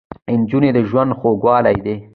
نجلۍ د ژوند خوږوالی دی.